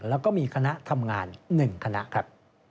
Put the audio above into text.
แล้วก็มีคณะทำงาน๑คณะครับ